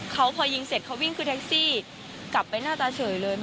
เขาพอยิงเสร็จเขาวิ่งขึ้นแท็กซี่กลับไปหน้าตาเฉยเลย